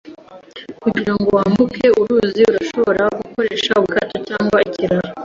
Kugira ngo wambuke uruzi, urashobora gukoresha ubwato cyangwa ikiraro.